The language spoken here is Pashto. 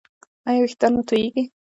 ایا ویښتان مو توییږي؟